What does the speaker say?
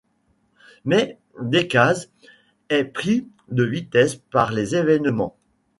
Mais Decazes est pris de vitesse par les évènements.